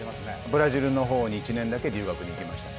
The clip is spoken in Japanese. ブラジルの方に１年だけ留学に行きましたね。